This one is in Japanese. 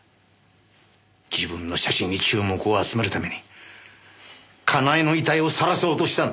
自分の写真に注目を集めるために佳苗の遺体をさらそうとしたんです。